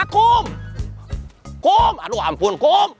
kum aduh ampun kum